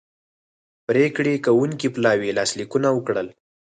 پریکړې کوونکي پلاوي لاسلیکونه وکړل